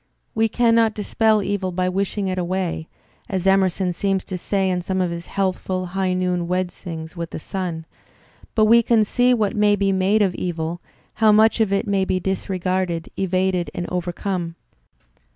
We cannot dispel evil by wishing it away, as Emerson seems to say in some of his healthful, high noon wedcings with the sun, but we can see what may be made of evil, how much of it may be disregarded, evaded and overcome.